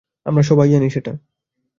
আমরা সবাই জানি সেটা।